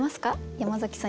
山崎さん